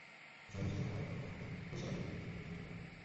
শুনানি শেষে ঢাকা মহানগর হাকিম খুরশীদ আলম দুই দিনের রিমান্ড মঞ্জুর করেন।